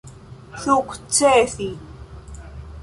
sukcesi